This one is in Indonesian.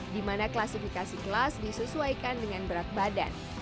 di mana klasifikasi kelas disesuaikan dengan berat badan